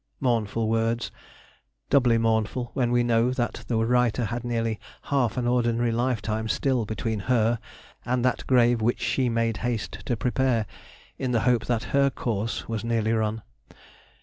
Mournful words: doubly mournful when we know that the writer had nearly half an ordinary lifetime still between her and that grave which she made haste to prepare, in the hope that her course was nearly run.